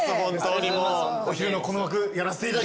お昼のこの枠やらせていただきます。